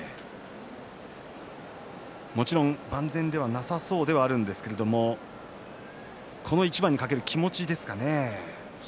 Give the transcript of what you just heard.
もちろん万全ではなさそうですけれどこの一番に懸ける気持ちですかね。